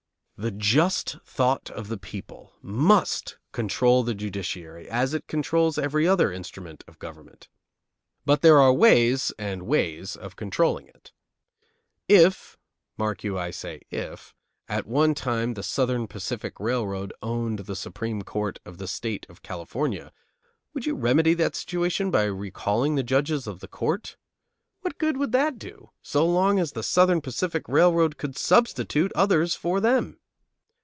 The just thought of the people must control the judiciary, as it controls every other instrument of government. But there are ways and ways of controlling it. If, mark you, I say if, at one time the Southern Pacific Railroad owned the supreme court of the State of California, would you remedy that situation by recalling the judges of the court? What good would that do, so long as the Southern Pacific Railroad could substitute others for them?